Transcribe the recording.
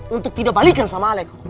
untuk tidak balikan sama alex